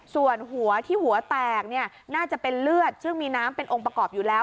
ส่วนหัวที่หัวแตกน่าจะเป็นเลือดซึ่งมีน้ำเป็นองค์ประกอบอยู่แล้ว